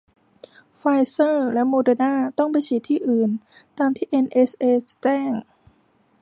ไฟเซอร์และโมเดอร์นาต้องไปฉีดที่อื่น ตามที่เอ็นเอชเอสจะแจ้ง